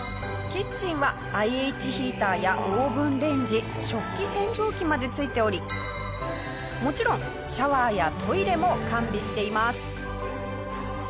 キッチンはＩＨヒーターやオーブンレンジ食器洗浄機まで付いておりもちろんシャワーやトイレも完備しています。